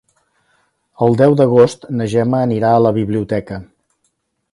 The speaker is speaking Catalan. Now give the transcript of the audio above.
El deu d'agost na Gemma anirà a la biblioteca.